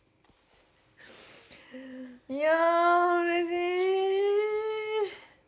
いやうれしい！